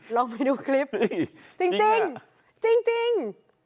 ลองไปดูคลิปจริงจริง